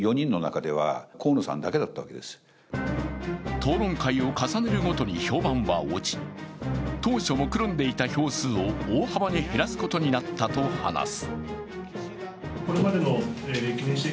討論会を重ねるごとに評判は落ち当初もくろんでいた票数を大幅に減らすことになったと話す。